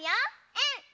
うん！